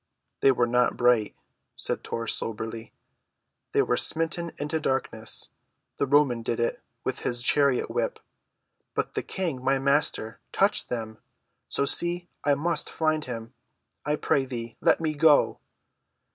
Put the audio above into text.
"They were not bright," said Tor soberly. "They were smitten into darkness. The Roman did it with his chariot‐whip. But the King, my Master, touched them. So I see. I must find him. I pray thee let me go!"